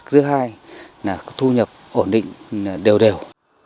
thứ hai là thu nhập ổn định đều đều